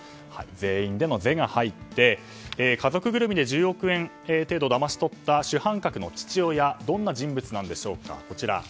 全員で「ゼ」が入って家族ぐるみで１０億円をだまし取った主犯格の父親はどんな人物でしょうか。